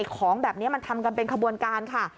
ของแบบนี้มันทำกันเป็นขบวนการค่ะ